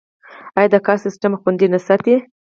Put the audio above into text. آیا دا کار سیستم خوندي نه ساتي؟